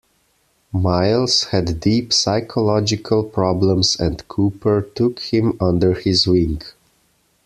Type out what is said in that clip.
Miles had deep psychological problems and Cooper took him under his wing.